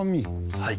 はい。